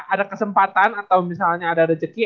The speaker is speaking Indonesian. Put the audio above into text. ada kesempatan atau misalnya ada rezeki